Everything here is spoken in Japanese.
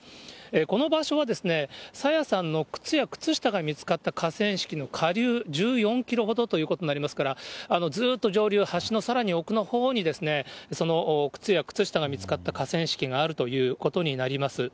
この場所は、朝芽さんの靴や靴下が見つかった河川敷の下流１４キロほどということになりますから、ずーっと上流、橋のさらに奥のほうにその靴や靴下が見つかった河川敷があるということになります。